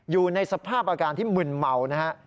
อยู่ในสภาพอาการที่มึนเมานะฮะ